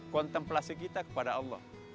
kontemplasi kita kepada allah